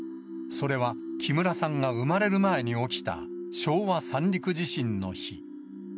それは、木村さんが産まれる前に起きた昭和三陸地震の日。